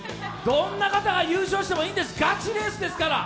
どんな方が優勝してもいいんですガチレースですから。